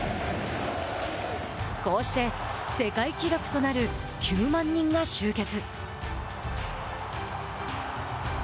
こうして、世界記録となる９万人が集結。